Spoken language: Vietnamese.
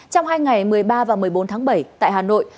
trong hai ngày một mươi ba và một mươi bốn tháng bảy tại hà nội